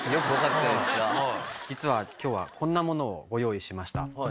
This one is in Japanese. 実は今日はこんなものをご用意しました。